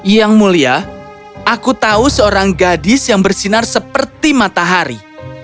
yang mulia aku tahu seorang gadis yang bersinar seperti matahari